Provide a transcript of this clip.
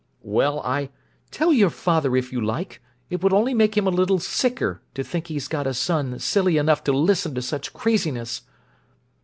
"Well, I—" "Tell your father if you like! It will only make him a little sicker to think he's got a son silly enough to listen to such craziness!"